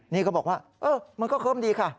นี่ก็บอกว่าเออมันก็เคิ้มดีค่ะ